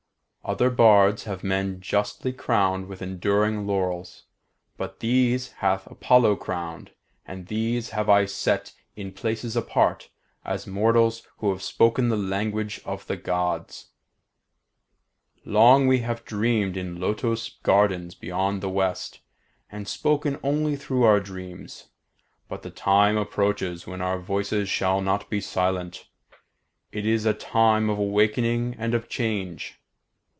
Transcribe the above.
Other bards have men justly crowned with enduring laurels, but these hath Apollo crowned, and these have I set in places apart, as mortals who have spoken the language of the Gods. Long have we dreamed in lotos gardens beyond the West, and spoken only through our dreams; but the time approaches when our voices shall not be silent. It is a time of awaking and of change.